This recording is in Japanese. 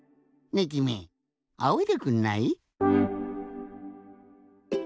ねえきみあおいでくんない？